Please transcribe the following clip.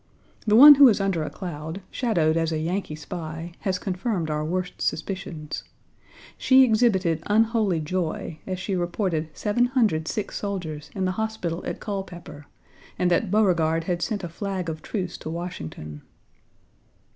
The one who is under a cloud, shadowed as a Yankee spy, has confirmed our worst suspicions. She exhibited unholy joy, as she reported seven hundred sick soldiers in the hospital at Culpeper, and that Beauregard had sent a flag of truce to Washington.